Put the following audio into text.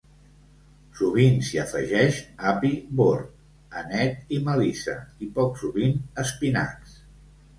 Sovint s'hi afegeix api bord, anet i melissa, i poc sovint espinacs.